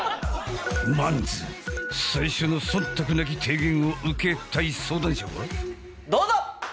まず最初の忖度なき提言を受けたい相談者は。